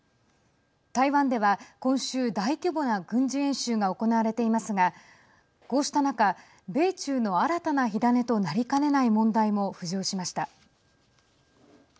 台湾では、今週大規模な軍事演習が行われていますがこうした中、米中の新たな火種となりかねない問題も浮上しました。